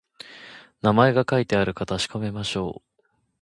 名前が書いてあるか確かめましょう